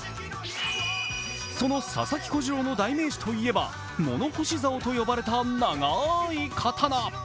その佐々木小次郎の代名詞といえば物干しざおといわれた長い刀。